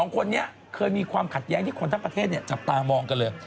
๒คนนี้เคยมีความขัดแย้งที่คนทั้งประเทศจับตามองกันเลย